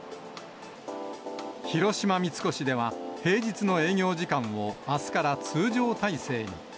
広島三越では、平日の営業時間をあすから通常体制に。